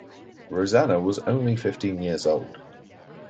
Rosanna was only fifteen years old.